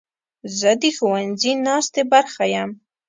زه د ښوونځي ناستې برخه یم.